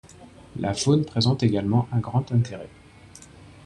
La faune présente également un grand intérêt.